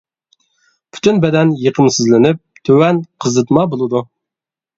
پۈتۈن بەدەن يېقىمسىزلىنىپ، تۆۋەن قىزىتما بولىدۇ.